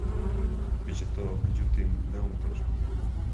Биће то, међутим, веома тешко.